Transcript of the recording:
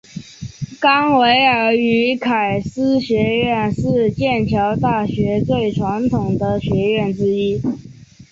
冈维尔与凯斯学院是剑桥大学最传统的学院之一。